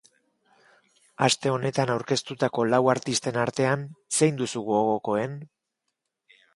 Aste honetan aurkeztutako lau artisten artean, zein duzu gogokoen?